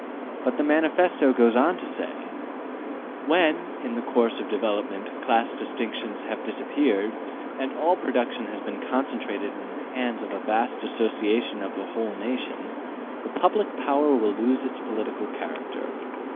'' But the Manifesto goes on to say: When, in the course of development, class distinctions have disappeared, and all production has been concentrated in the hands of a vast association of the whole nation, the public power will lose its political character.